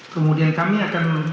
kemudian kami akan